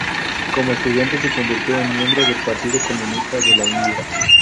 Como estudiante se convirtió en miembro del Partido Comunista de la India.